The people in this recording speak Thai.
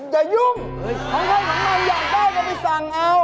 อย่ายุ่งเราให้ผ่านมานี้อยากได้เราไปสั่งเอา